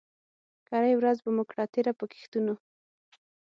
کرۍ ورځ به مو کړه تېره په ګښتونو